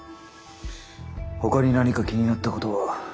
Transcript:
ほかに何か気になったことは？